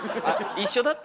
一緒だった？